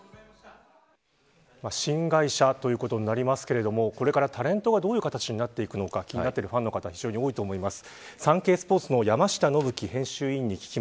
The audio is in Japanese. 新会社ということになりますけれどもこれからタレントがどういう形になっていくのか気になってるファンの方多いと思います。